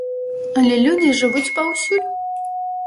Але людзі жывуць паўсюль.